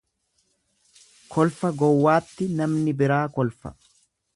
Kolfa gowwaatti namni biraa kolfa.